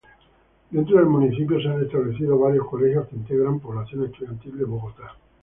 Dentro del municipio se han establecido varios colegios que integran población estudiantil de Bogotá.